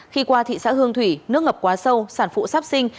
khi qua thị xã hương thủy nước ngập quá sâu sản phụ sắp sinh